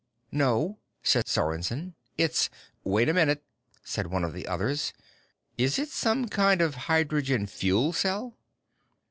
"No," said Sorensen. "It's " "Wait a minute," said one of the others, "is it some kind of hydrogen fuel cell?"